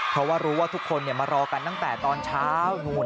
เพราะว่ารู้ว่าทุกคนมารอกันตั้งแต่ตอนเช้านู่น